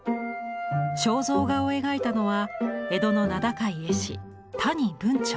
肖像画を描いたのは江戸の名高い絵師